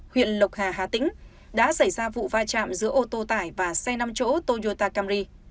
huyện lộc hà hà tĩnh đã xảy ra vụ vai trạm giữa ô tô tài và xe nằm chỗ toyota camry